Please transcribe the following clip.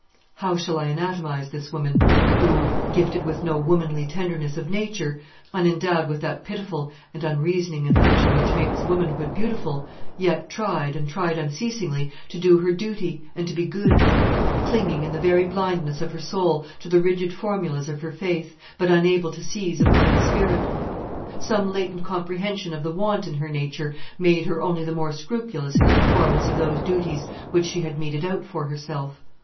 How shall I anatomise this woman, who, gifted with no womanly tenderness of nature, unendowed with that pitiful and unreasoning affection which makes womanhood beautiful, yet tried, and tried unceasingly, to do her duty, and to be good; clinging, in the very blindness of her soul, to the rigid formulas of her faith, but unable to seize upon its spirit? Some latent comprehension of the want in her nature made her only the more scrupulous in the performance of those duties which she had meted out for herself.